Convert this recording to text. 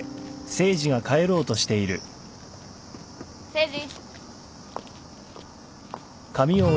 ・誠治。